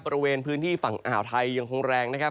บริเวณพื้นที่ฝั่งอ่าวไทยยังคงแรงนะครับ